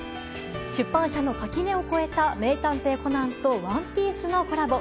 出版社の垣根を超えた「名探偵コナン」と「ＯＮＥＰＩＥＣＥ」のコラボ。